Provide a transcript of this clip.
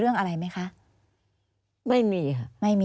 อันดับ๖๓๕จัดใช้วิจิตร